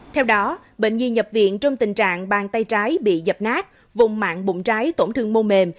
theo đó bệnh nhi nhập viện trong tình trạng bàn tay trái bị dập nát vùng mạng bụng trái tổn thương mô mềm